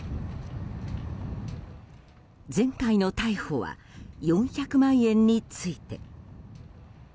前回の逮捕は４００万円について。